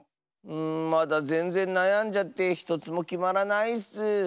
うんまだぜんぜんなやんじゃってひとつもきまらないッス。